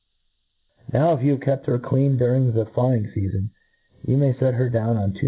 Now, if you have kept her clean during the flying fcafon, you may fet her down on two